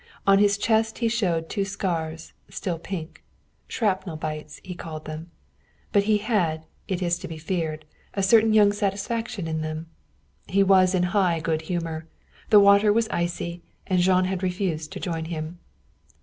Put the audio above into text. On his chest he showed two scars, still pink. Shrapnel bites, he called them. But he had, it is to be feared, a certain young satisfaction in them. He was in high good humor. The water was icy, and Jean had refused to join him.